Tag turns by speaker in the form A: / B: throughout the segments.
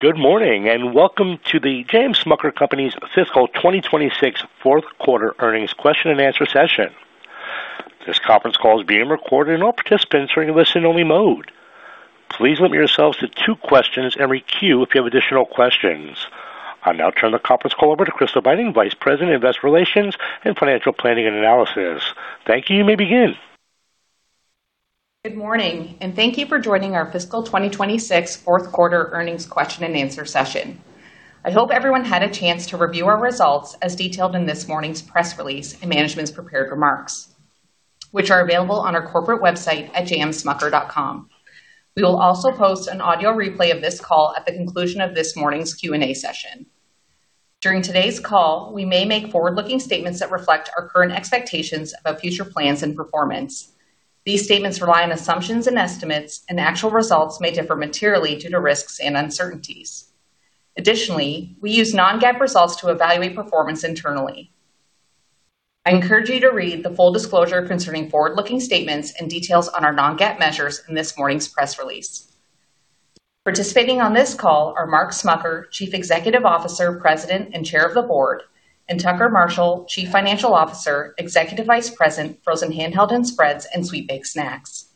A: Good morning, and welcome to The J. M. Smucker Company's Fiscal 2026 Fourth Quarter Earnings Question and Answer Session. This conference call is being recorded and all participants are in listen only mode. Please limit yourselves to two questions and re-queue if you have additional questions. I'll now turn the conference call over to Crystal Beiting, Vice President, Investor Relations and Financial Planning and Analysis. Thank you. You may begin.
B: Good morning, and thank you for joining our Fiscal 2026 Fourth Quarter Earnings Question and Answer Session. I hope everyone had a chance to review our results as detailed in this morning's press release and management's prepared remarks, which are available on our corporate website at jmsmucker.com. We will also post an audio replay of this call at the conclusion of this morning's Q&A session. During today's call, we may make forward-looking statements that reflect our current expectations about future plans and performance. These statements rely on assumptions and estimates, and actual results may differ materially due to risks and uncertainties. Additionally, we use non-GAAP results to evaluate performance internally. I encourage you to read the full disclosure concerning forward-looking statements and details on our non-GAAP measures in this morning's press release. Participating on this call are Mark Smucker, Chief Executive Officer, President, and Chair of the Board, and Tucker Marshall, Chief Financial Officer, Executive Vice President, Frozen Handheld and Spreads, and Sweet Baked Snacks.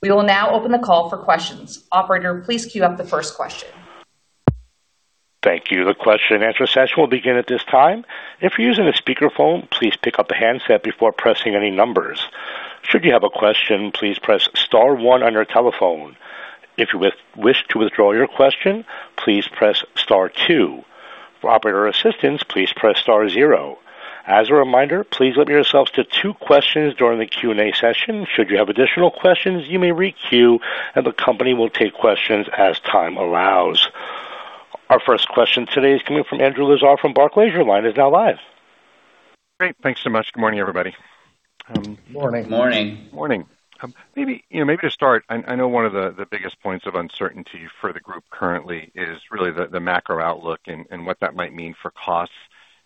B: We will now open the call for questions. Operator, please queue up the first question.
A: Thank you. The question and answer session will begin at this time. If you're using a speakerphone, please pick up the handset before pressing any numbers. Should you have a question, please press star one on your telephone. If you wish to withdraw your question, please press star two. For operator assistance, please press star zero. As a reminder, please limit yourselves to two questions during the Q&A session. Should you have additional questions, you may re-queue, and the company will take questions as time allows. Our first question today is coming from Andrew Lazar from Barclays. Your line is now live.
C: Great. Thanks so much. Good morning, everybody.
A: Morning.
D: Morning.
E: Morning.
C: Maybe to start, I know one of the biggest points of uncertainty for the group currently is really the macro outlook and what that might mean for costs.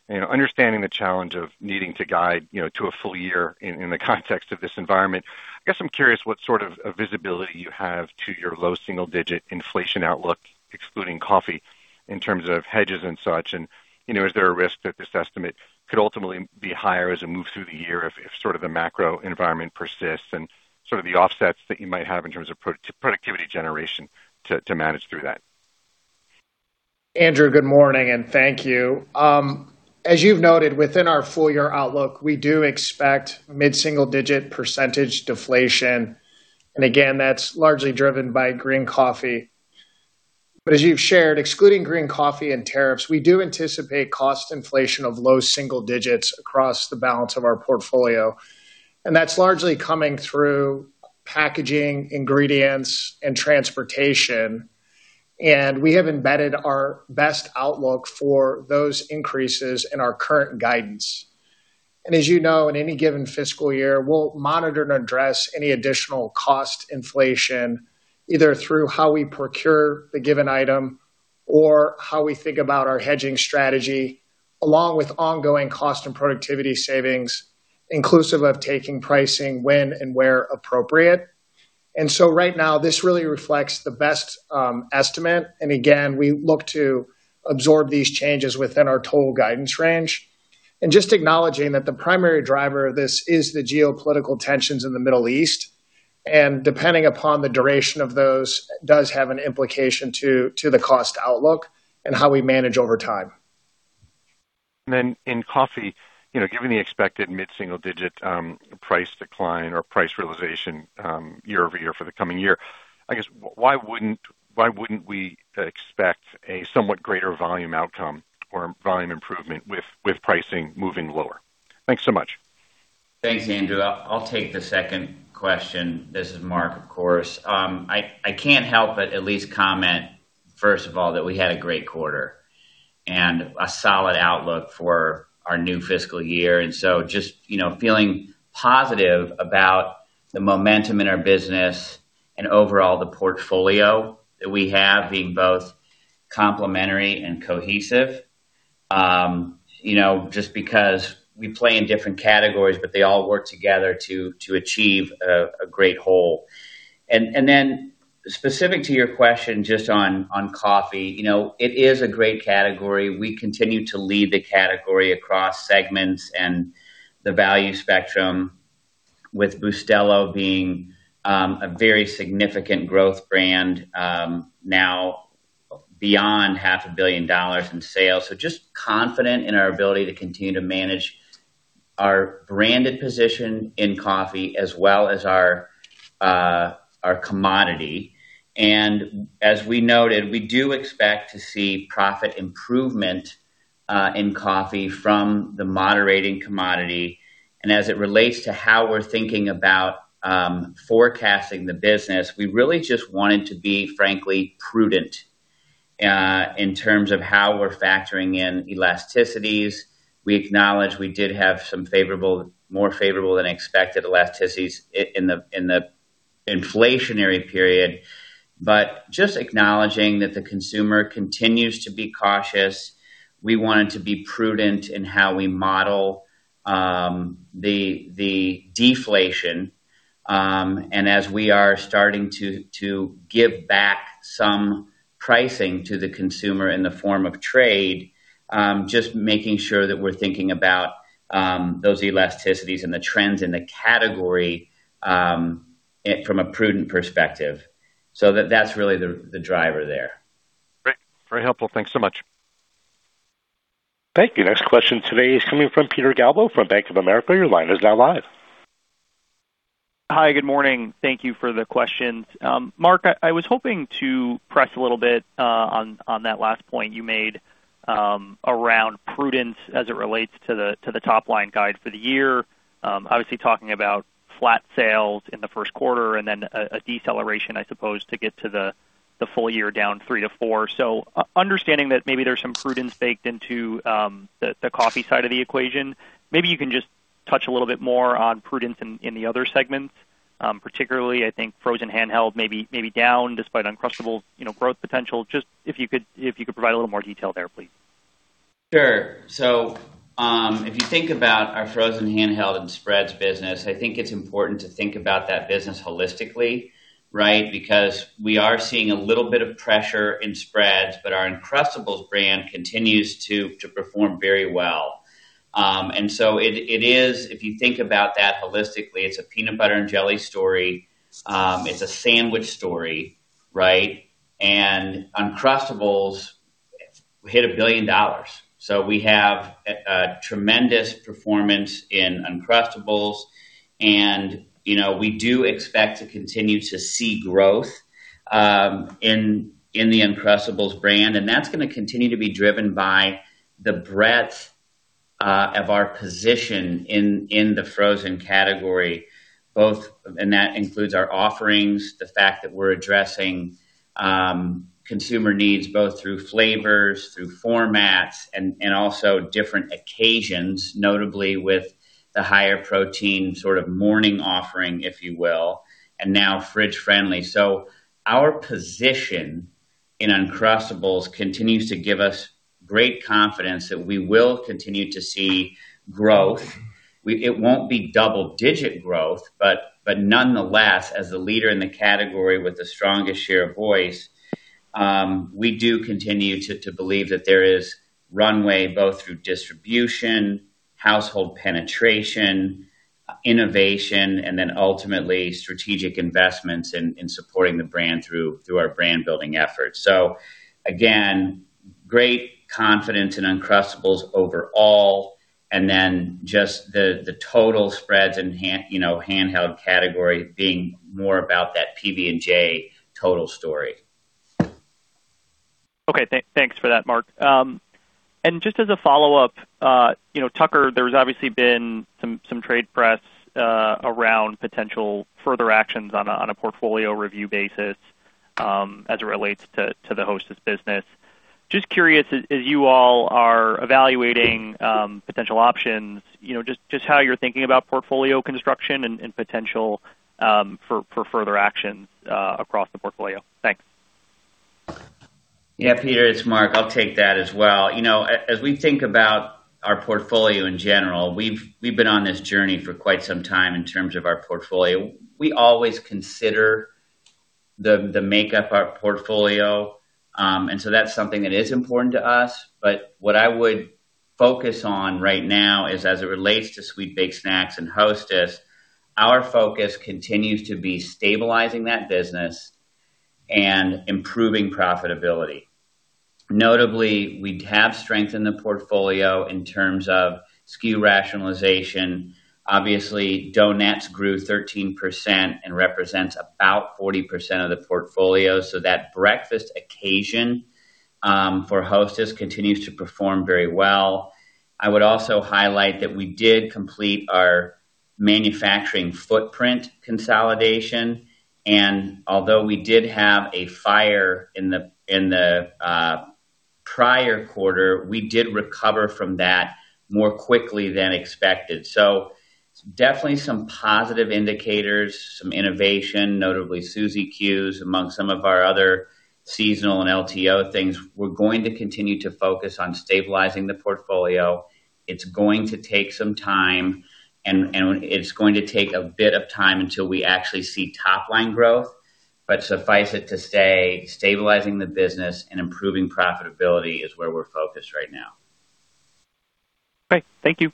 C: Understanding the challenge of needing to guide to a full year in the context of this environment, I guess I'm curious what sort of visibility you have to your low single-digit inflation outlook, excluding coffee, in terms of hedges and such, and is there a risk that this estimate could ultimately be higher as it moves through the year if the macro environment persists, and the offsets that you might have in terms of productivity generation to manage through that?
D: Andrew, good morning, and thank you. As you've noted, within our full year outlook, we do expect mid-single-digit percentage deflation. Again, that's largely driven by green coffee. As you've shared, excluding green coffee and tariffs, we do anticipate cost inflation of low single-digits across the balance of our portfolio, and that's largely coming through packaging, ingredients, and transportation. We have embedded our best outlook for those increases in our current guidance. As you know, in any given fiscal year, we'll monitor and address any additional cost inflation, either through how we procure the given item or how we think about our hedging strategy, along with ongoing cost and productivity savings, inclusive of taking pricing when and where appropriate. So right now, this really reflects the best estimate. Again, we look to absorb these changes within our total guidance range. Just acknowledging that the primary driver of this is the geopolitical tensions in the Middle East, and depending upon the duration of those, does have an implication to the cost outlook and how we manage over time.
C: In coffee, given the expected mid-single digit price decline or price realization year-over-year for the coming year, I guess why wouldn't we expect a somewhat greater volume outcome or volume improvement with pricing moving lower? Thanks so much.
E: Thanks, Andrew. I'll take the second question. This is Mark, of course. I can't help but at least comment, first of all, that we had a great quarter and a solid outlook for our new fiscal year, just feeling positive about the momentum in our business and overall the portfolio that we have being both complementary and cohesive. Because we play in different categories, but they all work together to achieve a great whole. Specific to your question just on coffee, it is a great category. We continue to lead the category across segments and the value spectrum with Bustelo being a very significant growth brand now beyond half a billion dollars in sales. Just confident in our ability to continue to manage our branded position in coffee as well as our commodity. As we noted, we do expect to see profit improvement in coffee from the moderating commodity. As it relates to how we're thinking about forecasting the business, we really just wanted to be frankly prudent in terms of how we're factoring in elasticities. We acknowledge we did have some more favorable than expected elasticities in the inflationary period. Just acknowledging that the consumer continues to be cautious. We wanted to be prudent in how we model the deflation As we are starting to give back some pricing to the consumer in the form of trade, making sure that we're thinking about those elasticities and the trends in the category from a prudent perspective. That's really the driver there.
C: Great. Very helpful. Thanks so much.
A: Thank you. Next question today is coming from Peter Galbo from Bank of America. Your line is now live.
F: Hi, good morning. Thank you for the questions. Mark, I was hoping to press a little bit on that last point you made around prudence as it relates to the top-line guide for the year. Obviously, talking about flat sales in the first quarter and then a deceleration, I suppose, to get to the full year down 3%-4%. Understanding that maybe there's some prudence baked into the coffee side of the equation, maybe you can just touch a little bit more on prudence in the other segments, particularly, I think frozen handheld maybe down despite Uncrustables growth potential. Just if you could provide a little more detail there, please.
E: Sure. If you think about our Frozen Handheld and Spreads business, I think it's important to think about that business holistically, right? Because we are seeing a little bit of pressure in spreads, but our Uncrustables brand continues to perform very well. If you think about that holistically, it's a peanut butter and jelly story. It's a sandwich story, right? Uncrustables hit $1 billion. We have a tremendous performance in Uncrustables. We do expect to continue to see growth in the Uncrustables brand. That's going to continue to be driven by the breadth of our position in the frozen category, and that includes our offerings, the fact that we're addressing consumer needs, both through flavors, through formats, and also different occasions, notably with the higher protein sort of morning offering, if you will, and now fridge friendly. Our position in Uncrustables continues to give us great confidence that we will continue to see growth. It won't be double-digit growth, but nonetheless, as the leader in the category with the strongest share of voice, we do continue to believe that there is runway, both through distribution, household penetration, innovation, and then ultimately strategic investments in supporting the brand through our brand building efforts. Again, great confidence in Uncrustables overall, and then just the total spreads and handheld category being more about that PB&J total story.
F: Okay. Thanks for that, Mark. Just as a follow-up, Tucker, there's obviously been some trade press around potential further actions on a portfolio review basis as it relates to the Hostess business. Just curious, as you all are evaluating potential options, just how you're thinking about portfolio construction and potential for further actions across the portfolio. Thanks.
E: Yeah, Peter, it's Mark. I'll take that as well. As we think about our portfolio in general, we've been on this journey for quite some time in terms of our portfolio. We always consider the makeup, our portfolio, so that's something that is important to us. What I would focus on right now is as it relates to Sweet Baked Snacks and Hostess, our focus continues to be stabilizing that business and improving profitability. Notably, we have strengthened the portfolio in terms of SKU rationalization. Obviously, donuts grew 13% and represents about 40% of the portfolio. That breakfast occasion for Hostess continues to perform very well. I would also highlight that we did complete our manufacturing footprint consolidation, and although we did have a fire in the prior quarter, we did recover from that more quickly than expected. Definitely some positive indicators, some innovation, notably Suzy Q's, among some of our other seasonal and LTO things. We're going to continue to focus on stabilizing the portfolio. It's going to take some time, and it's going to take a bit of time until we actually see top line growth. Suffice it to say, stabilizing the business and improving profitability is where we're focused right now.
F: Okay. Thank you.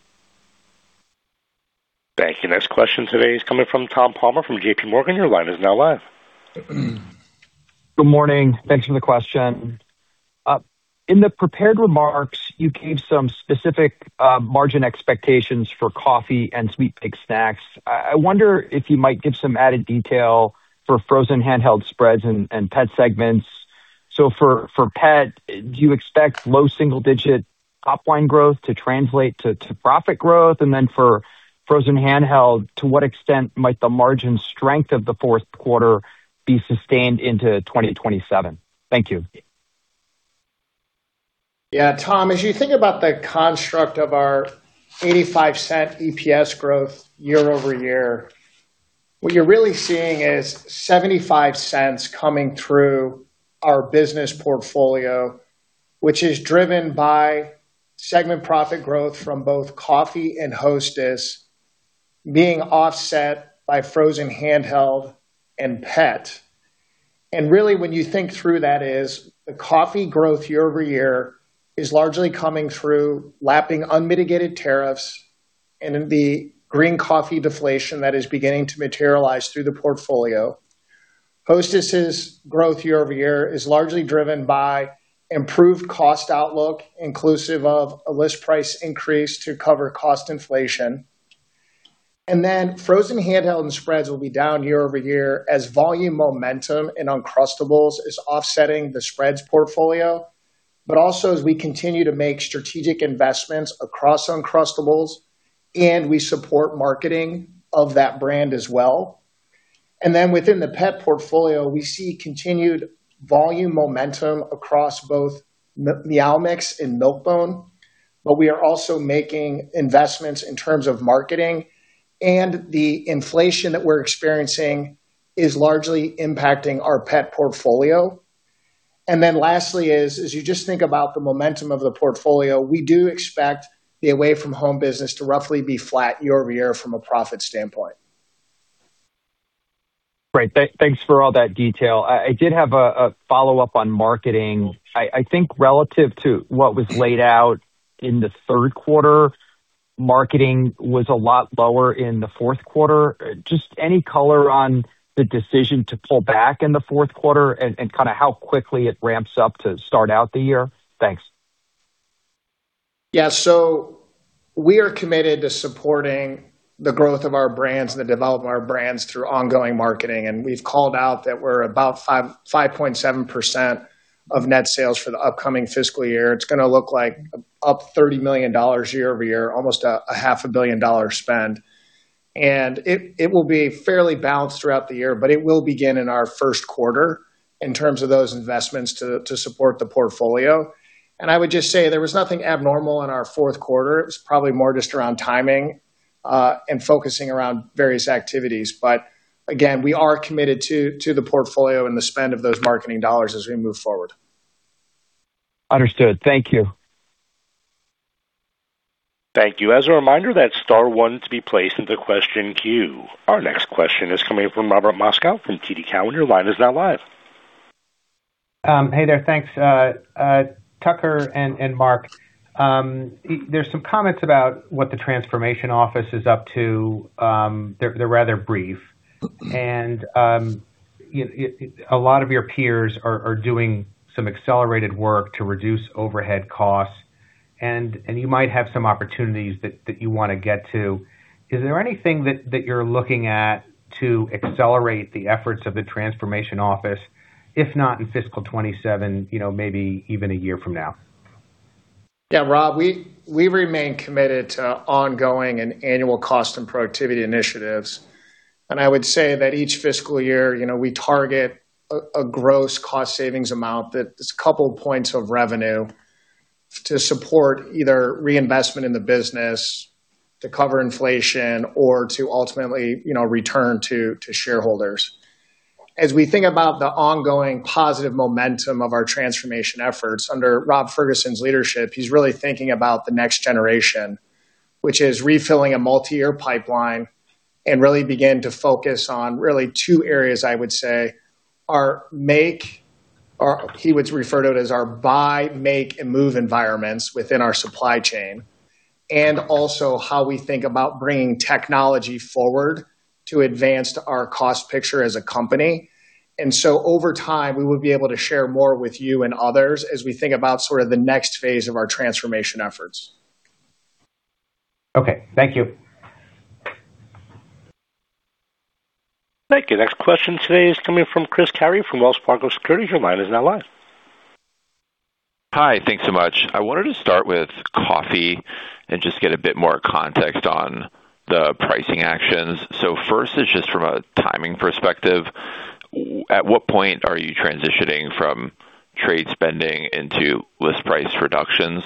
A: Thank you. Next question today is coming from Tom Palmer from JPMorgan. Your line is now live.
G: Good morning. Thanks for the question. In the prepared remarks, you gave some specific margin expectations for coffee and Sweet Baked Snacks. I wonder if you might give some added detail for frozen handheld spreads and pet segments. For pet, do you expect low single-digit top-line growth to translate to profit growth? Then for frozen handheld, to what extent might the margin strength of the fourth quarter be sustained into 2027? Thank you.
D: Yeah, Tom, as you think about the construct of our $0.85 EPS growth year-over-year, what you're really seeing is $0.75 coming through our business portfolio. Which is driven by segment profit growth from both coffee and Hostess being offset by frozen handheld and pet. Really, when you think through that is the coffee growth year-over-year is largely coming through lapping unmitigated tariffs and in the green coffee deflation that is beginning to materialize through the portfolio. Hostess' growth year-over-year is largely driven by improved cost outlook, inclusive of a list price increase to cover cost inflation. Frozen handheld and spreads will be down year-over-year as volume momentum in Uncrustables is offsetting the spreads portfolio, but also as we continue to make strategic investments across Uncrustables and we support marketing of that brand as well. Within the pet portfolio, we see continued volume momentum across both Meow Mix and Milk-Bone, but we are also making investments in terms of marketing, and the inflation that we're experiencing is largely impacting our pet portfolio. Lastly, as you just think about the momentum of the portfolio, we do expect the away-from-home business to roughly be flat year-over-year from a profit standpoint.
G: Great. Thanks for all that detail. I did have a follow-up on marketing. I think relative to what was laid out in the third quarter, marketing was a lot lower in the fourth quarter. Just any color on the decision to pull back in the fourth quarter and how quickly it ramps up to start out the year? Thanks.
D: We are committed to supporting the growth of our brands and the development of our brands through ongoing marketing, and we've called out that we're about 5.7% of net sales for the upcoming fiscal year. It's going to look like up $30 million year-over-year, almost a half a billion dollar spend. It will be fairly balanced throughout the year, but it will begin in our first quarter in terms of those investments to support the portfolio. I would just say there was nothing abnormal in our fourth quarter. It was probably more just around timing, and focusing around various activities. Again, we are committed to the portfolio and the spend of those marketing dollars as we move forward.
G: Understood. Thank you.
A: Thank you. As a reminder, that's star one to be placed in the question queue. Our next question is coming from Robert Moskow from TD Cowen. Your line is now live.
H: Hey there. Thanks. Tucker and Mark, there's some comments about what the transformation office is up to. They're rather brief. A lot of your peers are doing some accelerated work to reduce overhead costs and you might have some opportunities that you want to get to. Is there anything that you're looking at to accelerate the efforts of the transformation office, if not in FY 2027, maybe even a year from now?
D: Yeah, Rob, we remain committed to ongoing and annual cost and productivity initiatives. I would say that each fiscal year, we target a gross cost savings amount that's a couple points of revenue to support either reinvestment in the business, to cover inflation, or to ultimately return to shareholders. As we think about the ongoing positive momentum of our transformation efforts under Rob Ferguson's leadership, he's really thinking about the next generation, which is refilling a multi-year pipeline and really begin to focus on really two areas I would say are or he would refer to it as our buy, make, and move environments within our supply chain. Also how we think about bringing technology forward to advance our cost picture as a company. Over time, we will be able to share more with you and others as we think about sort of the next phase of our transformation efforts.
H: Okay. Thank you.
A: Thank you. Next question today is coming from Chris Carey from Wells Fargo Securities. Your line is now live.
I: Hi. Thanks so much. I wanted to start with coffee and just get a bit more context on the pricing actions. First is just from a timing perspective, at what point are you transitioning from trade spending into list price reductions?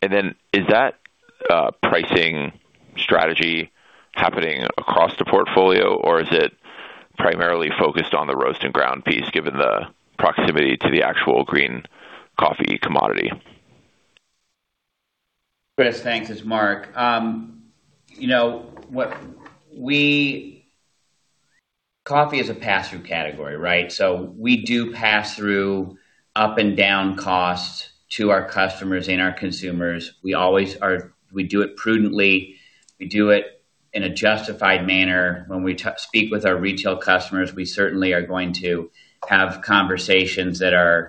I: Then is that pricing strategy happening across the portfolio, or is it primarily focused on the roast and ground piece, given the proximity to the actual green coffee commodity?
E: Chris, thanks. It's Mark. Coffee is a pass-through category, right? We do pass through up and down costs to our customers and our consumers. We do it prudently, we do it in a justified manner. When we speak with our retail customers, we certainly are going to have conversations that are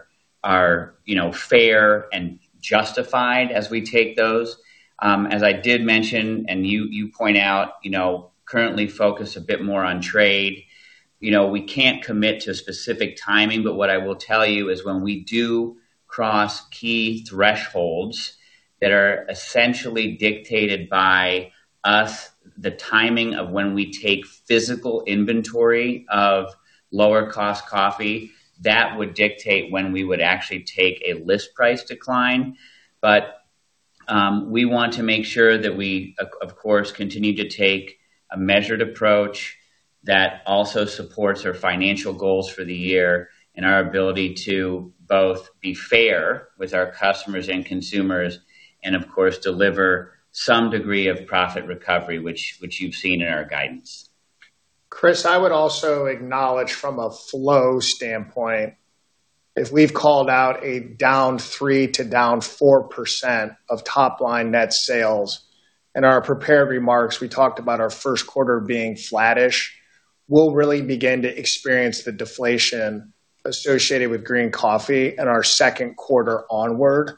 E: fair and justified as we take those. As I did mention, you point out, currently focus a bit more on trade. We can't commit to specific timing, but what I will tell you is when we do cross key thresholds that are essentially dictated by us, the timing of when we take physical inventory of lower cost coffee, that would dictate when we would actually take a list price decline. We want to make sure that we, of course, continue to take a measured approach that also supports our financial goals for the year and our ability to both be fair with our customers and consumers and, of course, deliver some degree of profit recovery, which you've seen in our guidance.
D: Chris, I would also acknowledge from a flow standpoint, if we've called out a -3% to -4% of top-line net sales in our prepared remarks, we talked about our first quarter being flattish. We'll really begin to experience the deflation associated with green coffee in our second quarter onward.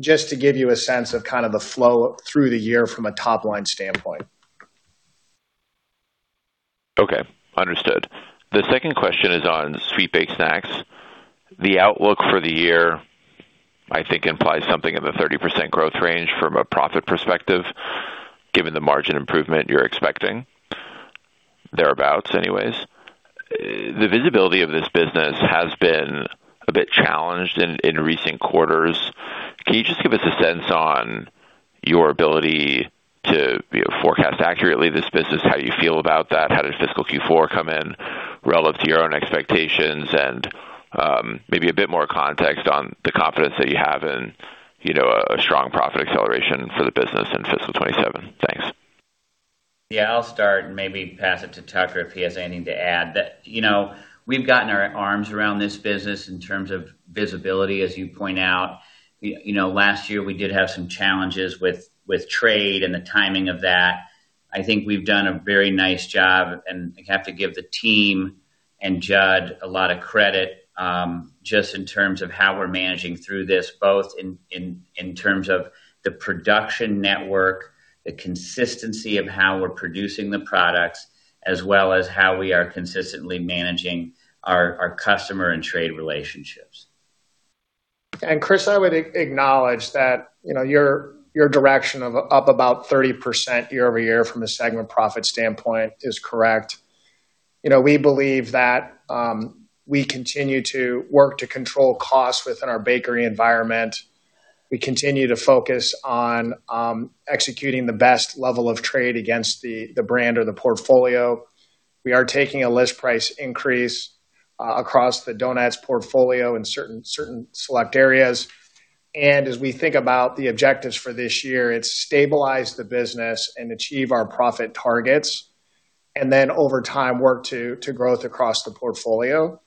D: Just to give you a sense of kind of the flow through the year from a top-line standpoint.
I: Okay, understood. The second question is on Sweet Baked Snacks. The outlook for the year, I think, implies something of a 30% growth range from a profit perspective, given the margin improvement you're expecting, thereabouts anyways. The visibility of this business has been a bit challenged in recent quarters. Can you just give us a sense on your ability to forecast accurately this business, how you feel about that? How did fiscal Q4 come in relative to your own expectations? Maybe a bit more context on the confidence that you have in a strong profit acceleration for the business in fiscal 2027. Thanks.
E: I'll start and maybe pass it to Tucker if he has anything to add. We've gotten our arms around this business in terms of visibility, as you point out. Last year, we did have some challenges with trade and the timing of that. I think we've done a very nice job, and I have to give the team and Judd a lot of credit, just in terms of how we're managing through this, both in terms of the production network, the consistency of how we're producing the products, as well as how we are consistently managing our customer and trade relationships.
D: Chris, I would acknowledge that your direction of up about 30% year-over-year from a segment profit standpoint is correct. We believe that we continue to work to control costs within our bakery environment. We continue to focus on executing the best level of trade against the brand or the portfolio. We are taking a list price increase across the donuts portfolio in certain select areas. As we think about the objectives for this year, it's stabilize the business and achieve our profit targets. Over time, work to growth across the portfolio.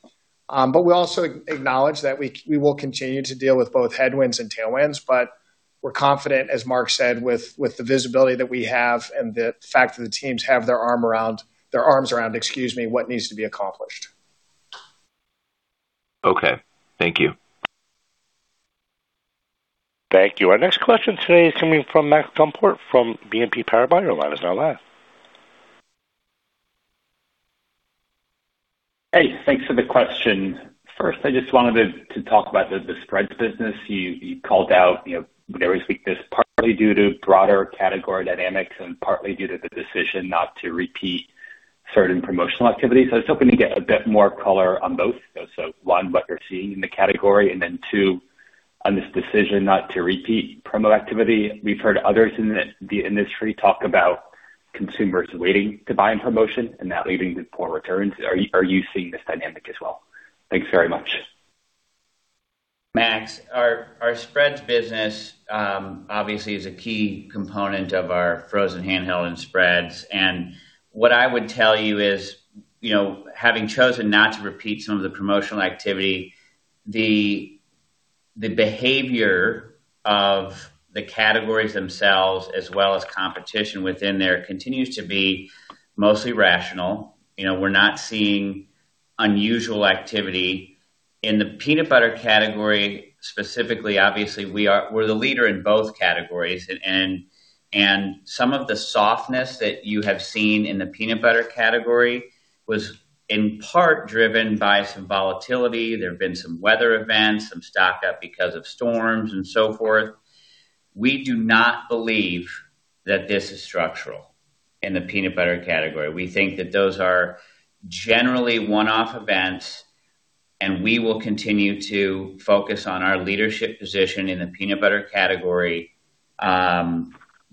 D: We also acknowledge that we will continue to deal with both headwinds and tailwinds. We're confident, as Mark said, with the visibility that we have and the fact that the teams have their arms around what needs to be accomplished.
I: Okay, thank you.
A: Thank you. Our next question today is coming from Max Gumport from BNP Paribas. Your line is now live.
J: Hey, thanks for the question. First, I just wanted to talk about the spreads business. You called out whatever weakness, partly due to broader category dynamics and partly due to the decision not to repeat certain promotional activity. I was hoping to get a bit more color on both. One, what you're seeing in the category, and then two, on this decision not to repeat promo activity. We've heard others in the industry talk about consumers waiting to buy in promotion and that leading to poor returns. Are you seeing this dynamic as well? Thanks very much.
E: Max, our spreads business obviously is a key component of our Frozen Handheld and Spreads. What I would tell you is having chosen not to repeat some of the promotional activity, the behavior of the categories themselves, as well as competition within there continues to be mostly rational. We're not seeing unusual activity. In the Peanut Butter category, specifically, obviously, we're the leader in both categories, and some of the softness that you have seen in the Peanut Butter category was in part driven by some volatility. There have been some weather events, some stock-up because of storms and so forth. We do not believe that this is structural in the Peanut Butter category. We think that those are generally one-off events, we will continue to focus on our leadership position in the Peanut Butter category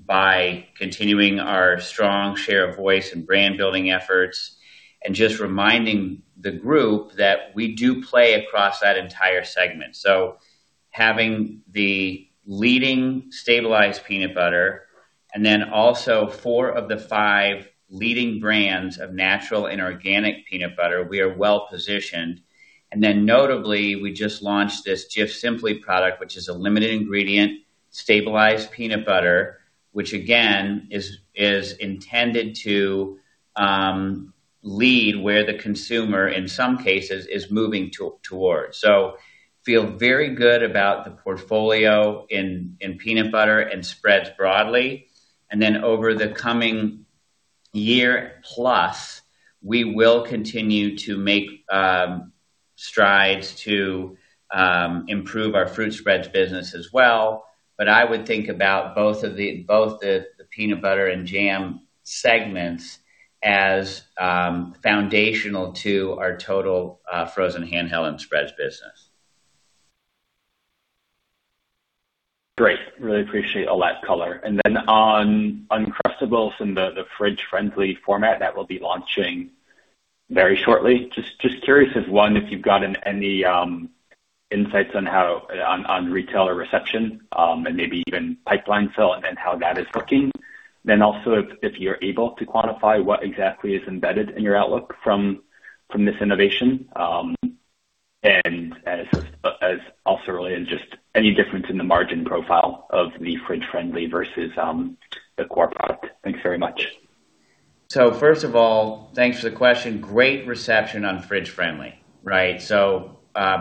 E: by continuing our strong share of voice and brand-building efforts and just reminding the group that we do play across that entire segment. Having the leading stabilized Peanut Butter and then also four of the five leading brands of natural and organic Peanut Butter, we are well-positioned. Notably, we just launched this Jif Simply product, which is a limited ingredient, stabilized Peanut Butter, which again, is intended to lead where the consumer, in some cases, is moving towards. Feel very good about the portfolio in Peanut Butter and spreads broadly. Over the coming year plus, we will continue to make strides to improve our fruit spreads business as well. I would think about both the Peanut Butter and jam segments as foundational to our total Frozen Handheld and Spreads business.
J: Great. Really appreciate all that color. On Uncrustables and the fridge-friendly format that we'll be launching very shortly, just curious if, one, if you've got any insights on retail or reception, and maybe even pipeline fill and how that is looking. Also if you're able to quantify what exactly is embedded in your outlook from this innovation. As also related, just any difference in the margin profile of the fridge-friendly versus the core product. Thanks very much.
E: First of all, thanks for the question. Great reception on fridge-friendly, right?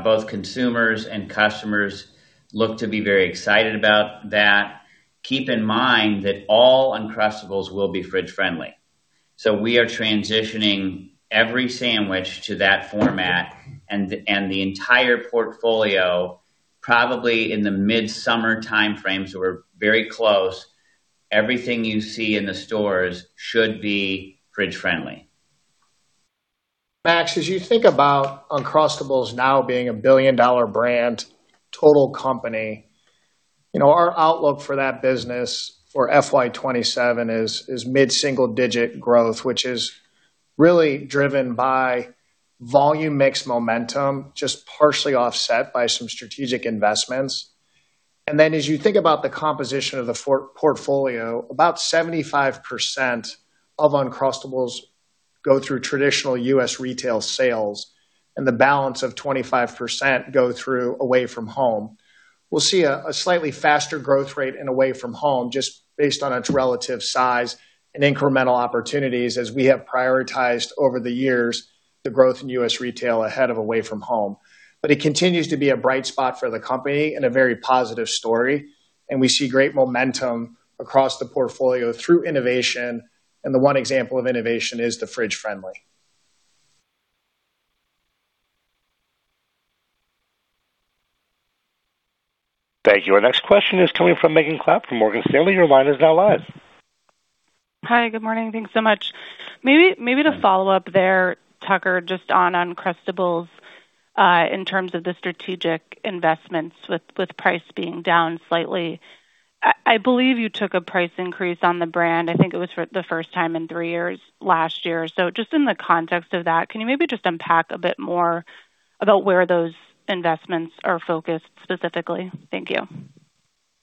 E: Both consumers and customers look to be very excited about that. Keep in mind that all Uncrustables will be fridge-friendly. We are transitioning every sandwich to that format and the entire portfolio probably in the mid-summer timeframe, so we're very close. Everything you see in the stores should be fridge-friendly.
D: Max, as you think about Uncrustables now being a billion-dollar brand total company, our outlook for that business for FY 2027 is mid-single-digit growth, which is really driven by volume mix momentum, just partially offset by some strategic investments. As you think about the composition of the portfolio, about 75% of Uncrustables go through traditional U.S. retail sales, and the balance of 25% go through away from home. We'll see a slightly faster growth rate in away from home, just based on its relative size and incremental opportunities as we have prioritized over the years the growth in U.S. retail ahead of away from home. It continues to be a bright spot for the company and a very positive story, and we see great momentum across the portfolio through innovation, and the one example of innovation is the fridge-friendly.
A: Thank you. Our next question is coming from Megan Clapp from Morgan Stanley. Your line is now live.
K: Hi. Good morning. Thanks so much. Maybe to follow up there, Tucker, just on Uncrustables, in terms of the strategic investments with price being down slightly. I believe you took a price increase on the brand, I think it was for the first time in three years last year. Just in the context of that, can you maybe just unpack a bit more about where those investments are focused specifically? Thank you.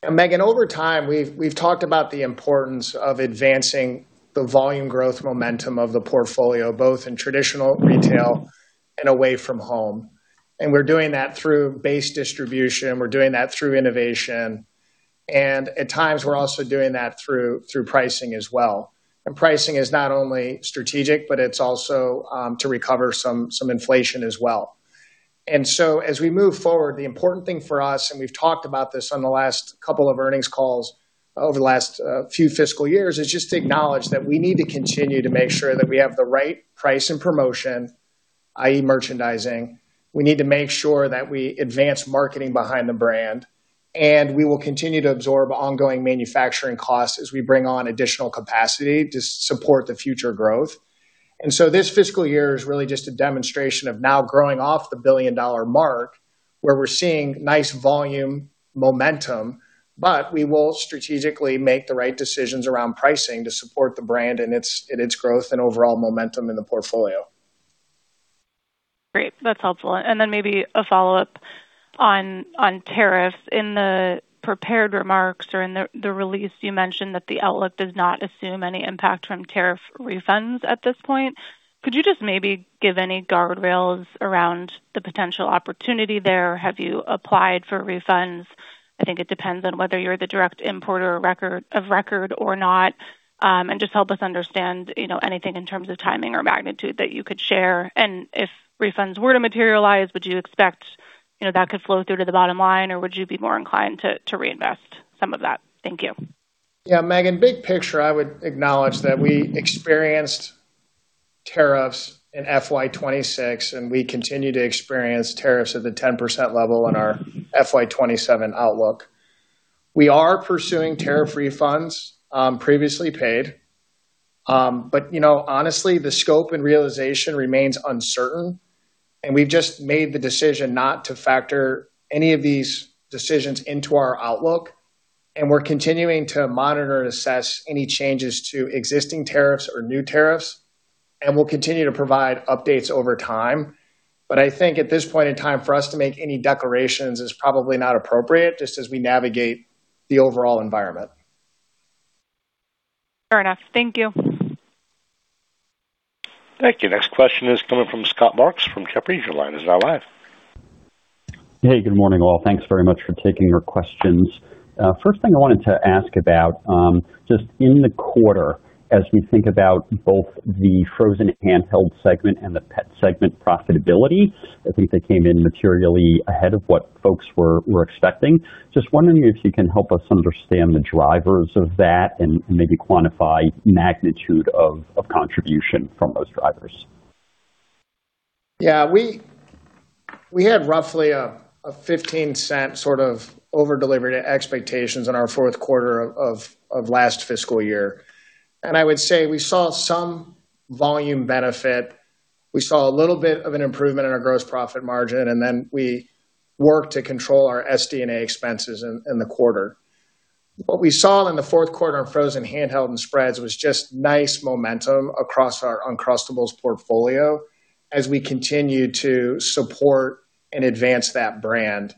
D: Megan, over time, we've talked about the importance of advancing the volume growth momentum of the portfolio, both in traditional retail and away from home. We're doing that through base distribution. We're doing that through innovation. At times, we're also doing that through pricing as well. Pricing is not only strategic, but it's also to recover some inflation as well. As we move forward, the important thing for us, and we've talked about this on the last couple of earnings calls over the last few fiscal years, is just to acknowledge that we need to continue to make sure that we have the right price and promotion, i.e. merchandising. We need to make sure that we advance marketing behind the brand, and we will continue to absorb ongoing manufacturing costs as we bring on additional capacity to support the future growth. This fiscal year is really just a demonstration of now growing off the $1 billion mark, where we're seeing nice volume momentum, but we will strategically make the right decisions around pricing to support the brand and its growth and overall momentum in the portfolio.
K: Great. That's helpful. Then maybe a follow-up on tariffs. In the prepared remarks or in the release, you mentioned that the outlook does not assume any impact from tariff refunds at this point. Could you just maybe give any guardrails around the potential opportunity there? Have you applied for refunds? I think it depends on whether you're the direct importer of record or not. Just help us understand anything in terms of timing or magnitude that you could share. If refunds were to materialize, would you expect that could flow through to the bottom line, or would you be more inclined to reinvest some of that? Thank you.
D: Yeah, Megan, big picture, I would acknowledge that we experienced tariffs in FY 2026, and we continue to experience tariffs at the 10% level in our FY 2027 outlook. We are pursuing tariff refunds previously paid. Honestly, the scope and realization remains uncertain, and we've just made the decision not to factor any of these decisions into our outlook. We're continuing to monitor and assess any changes to existing tariffs or new tariffs, and we'll continue to provide updates over time. I think at this point in time, for us to make any declarations is probably not appropriate just as we navigate the overall environment.
K: Fair enough. Thank you.
A: Thank you. Next question is coming from Scott Marks from Jefferies. Your line is now live.
L: Hey, good morning, all. Thanks very much for taking our questions. First thing I wanted to ask about, just in the quarter, as we think about both the Frozen Handheld segment and the Pet segment profitability, I think they came in materially ahead of what folks were expecting. Just wondering if you can help us understand the drivers of that and maybe quantify magnitude of contribution from those drivers.
D: Yeah. We had roughly a $0.15 sort of over-delivery to expectations on our fourth quarter of last fiscal year. I would say we saw some volume benefit. We saw a little bit of an improvement in our gross profit margin, and then we worked to control our SG&A expenses in the quarter. What we saw in the fourth quarter in Frozen Handheld and Spreads was just nice momentum across our Uncrustables portfolio as we continue to support and advance that brand.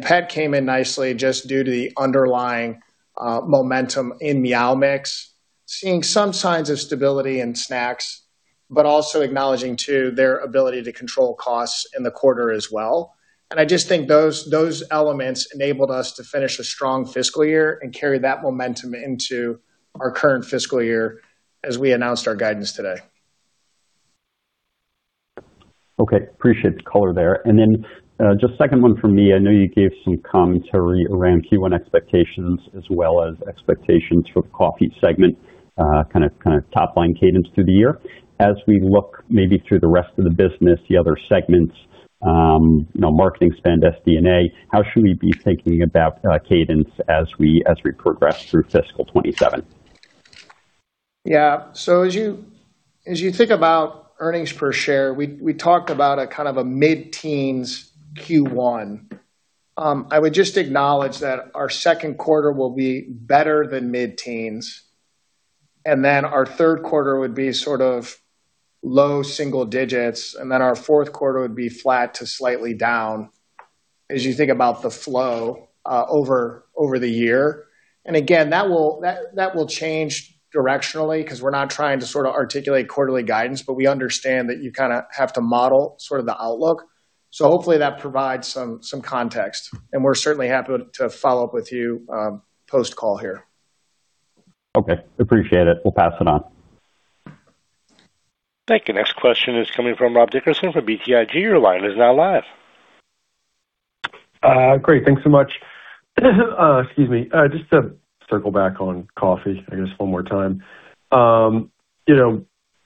D: Pet came in nicely just due to the underlying momentum in Meow Mix, seeing some signs of stability in Snacks, but also acknowledging too their ability to control costs in the quarter as well. I just think those elements enabled us to finish a strong fiscal year and carry that momentum into our current fiscal year as we announced our guidance today.
L: Okay. Appreciate the color there. Just second one from me. I know you gave some commentary around Q1 expectations as well as expectations for coffee segment, kind of top-line cadence through the year. As we look maybe through the rest of the business, the other segments, marketing spend, SD&A, how should we be thinking about cadence as we progress through fiscal 2027?
D: Yeah. As you think about earnings per share, we talked about a kind of a mid-teens Q1. I would just acknowledge that our second quarter will be better than mid-teens, and then our third quarter would be sort of low single digits, and then our fourth quarter would be flat to slightly down as you think about the flow over the year. Again, that will change directionally because we're not trying to sort of articulate quarterly guidance, but we understand that you kind of have to model sort of the outlook. Hopefully that provides some context, and we're certainly happy to follow up with you post-call here.
L: Okay. Appreciate it. Will pass it on.
A: Thank you. Next question is coming from Rob Dickerson from BTIG. Your line is now live.
M: Great. Thanks so much. Excuse me. Just to circle back on coffee, I guess, one more time.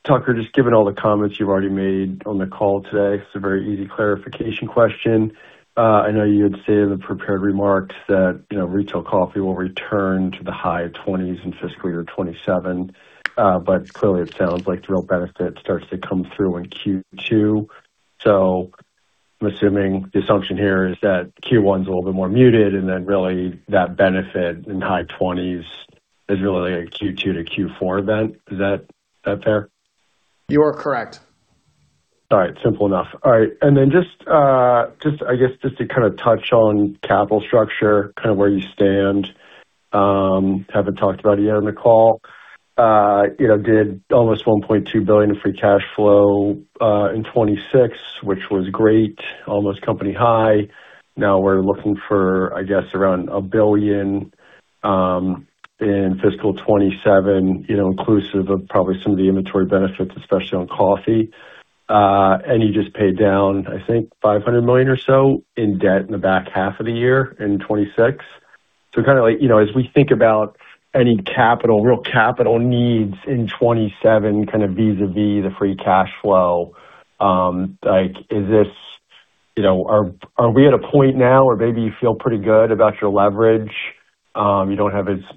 M: Tucker, just given all the comments you've already made on the call today, it's a very easy clarification question. I know you had stated in the prepared remarks that retail coffee will return to the high 20s in FY 2027. Clearly it sounds like the real benefit starts to come through in Q2. I'm assuming the assumption here is that Q1 is a little bit more muted and then really that benefit in high 20s is really a Q2-Q4 event. Is that fair?
D: You are correct.
M: All right. Simple enough. All right. Then just, I guess, just to kind of touch on capital structure, kind of where you stand. Haven't talked about it yet on the call. Did almost $1.2 billion of free cash flow in 2026, which was great, almost company high. Now we're looking for, I guess, around $1 billion, in FY 2027, inclusive of probably some of the inventory benefits, especially on coffee. You just paid down, I think, $500 million or so in debt in the back half of the year in 2026. Kind of like, as we think about any capital, real capital needs in 2027, kind of vis-à-vis the free cash flow, are we at a point now where maybe you feel pretty good about your leverage? You don't have as much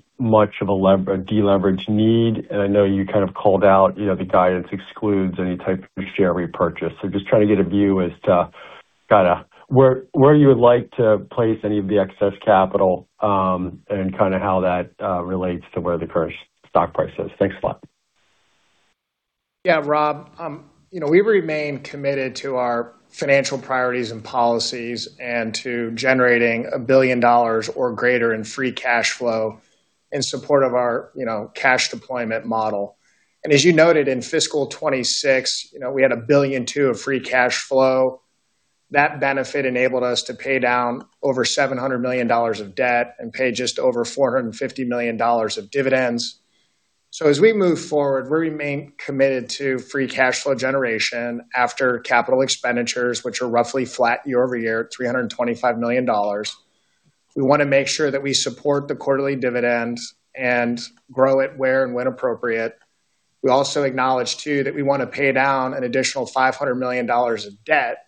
M: of a deleverage need. I know you kind of called out the guidance excludes any type of share repurchase. Just trying to get a view as to kind of where you would like to place any of the excess capital, and kind of how that relates to where the current stock price is. Thanks a lot.
D: Yeah, Rob. We remain committed to our financial priorities and policies and to generating $1 billion or greater in free cash flow in support of our cash deployment model. As you noted in fiscal year 2026, we had $1.2 billion of free cash flow. That benefit enabled us to pay down over $700 million of debt and pay just over $450 million of dividends. As we move forward, we remain committed to free cash flow generation after capital expenditures, which are roughly flat year-over-year at $325 million. We want to make sure that we support the quarterly dividends and grow it where and when appropriate. We also acknowledge, too, that we want to pay down an additional $500 million of debt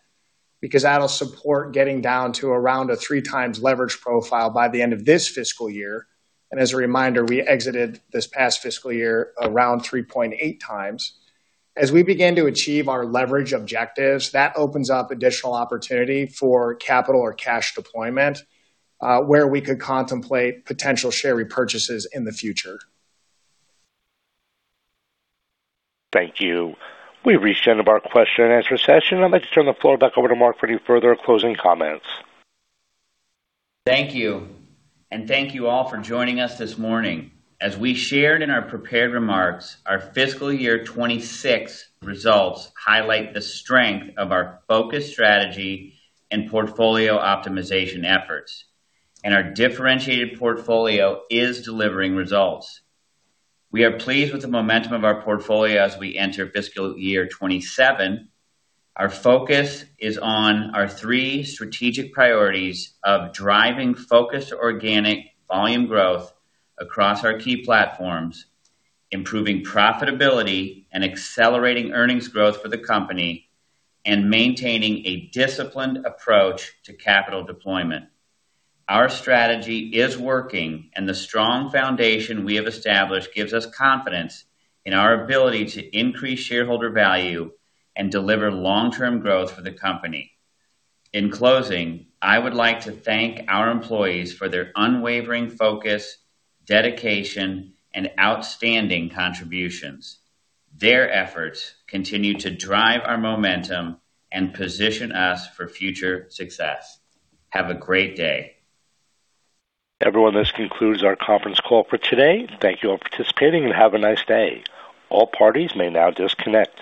D: because that'll support getting down to around a 3 times leverage profile by the end of this fiscal year. As a reminder, we exited this past fiscal year around 3.8 times. As we begin to achieve our leverage objectives, that opens up additional opportunity for capital or cash deployment, where we could contemplate potential share repurchases in the future.
A: Thank you. We've reached the end of our question and answer session. I'd like to turn the floor back over to Mark for any further closing comments.
E: Thank you. Thank you all for joining us this morning. As we shared in our prepared remarks, our fiscal year 2026 results highlight the strength of our focused strategy and portfolio optimization efforts, and our differentiated portfolio is delivering results. We are pleased with the momentum of our portfolio as we enter fiscal year 2027. Our focus is on our three strategic priorities of driving focused organic volume growth across our key platforms, improving profitability and accelerating earnings growth for the company, and maintaining a disciplined approach to capital deployment. Our strategy is working, and the strong foundation we have established gives us confidence in our ability to increase shareholder value and deliver long-term growth for the company. In closing, I would like to thank our employees for their unwavering focus, dedication, and outstanding contributions. Their efforts continue to drive our momentum and position us for future success. Have a great day.
A: Everyone, this concludes our conference call for today. Thank you all for participating and have a nice day. All parties may now disconnect.